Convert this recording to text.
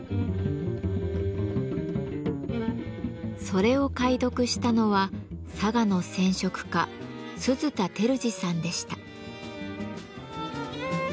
それを解読したのは佐賀の染色家鈴田照次さんでした。